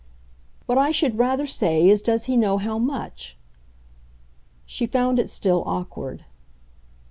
"What I should rather say is does he know how much?" She found it still awkward.